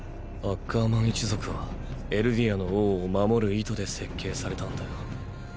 アッカーマン一族はエルディアの王を守る意図で設計されたんだよ。